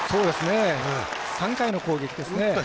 ３回の攻撃ですね。